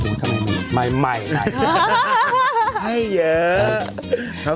โอ๊ยทำไมมีใหม่ใหม่ไหนให้เยอะ